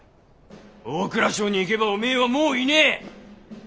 大蔵省に行げばおめぇはもういねぇ。